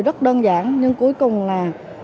rất đơn giản nhưng cuối cùng là